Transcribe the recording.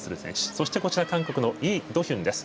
そして、韓国のイ・ドヒュンです。